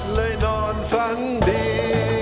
เลยนอนฟันดี